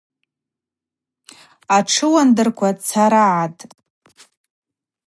Атшыуандырква царагӏатӏ.